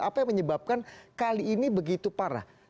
apa yang menyebabkan kali ini begitu parah